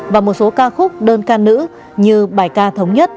và một số ca khúc đơn ca nữ như bài ca thầm nữ